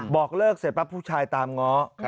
บอกเลิกเสร็จปั๊บผู้ชายตามง้อ